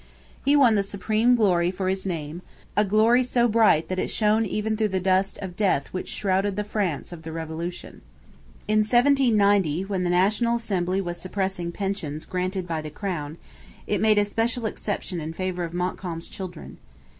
He won the supreme glory for his name, a glory so bright that it shone even through the dust of death which shrouded the France of the Revolution. In 1790, when the National Assembly was suppressing pensions granted by the Crown, it made a special exception in favour of Montcalm's children.